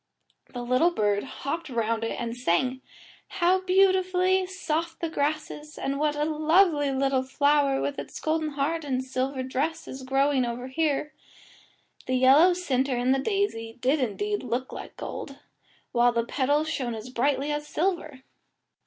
The little bird hopped round it and sang, "How beautifully soft the grass is, and what a lovely little flower with its golden heart and silver dress is growing here." The yellow centre in the daisy did indeed look like gold, while the little petals shone as brightly as silver.